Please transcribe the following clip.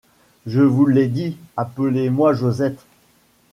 Je vous l’ai dit : appelez-moi Josette !